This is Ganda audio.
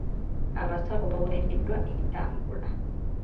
Abasawo baweereddwa entambula.